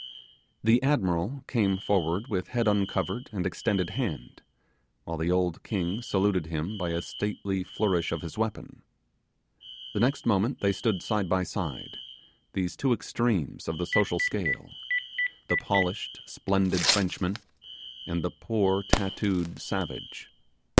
The admiral came forward with head uncovered and extended hand, while the old king saluted him by a stately flourish of his weapon. The next moment they stood side by side, these two extremes of the social scale, the polished, splendid Frenchman, and the poor tattooed savage.